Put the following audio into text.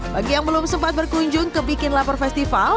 bagi yang belum sempat berkunjung ke bikin lapar festival